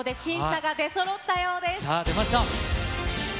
では、さあ、出ました。